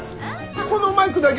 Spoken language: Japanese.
このマイクだけ？